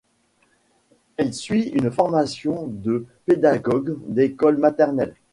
Elle suit une formation de pédagogue d'école maternelle.